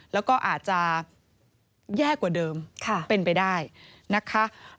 แล้วก็อาจจะแย่กว่าเดิมเป็นไปได้นะคะ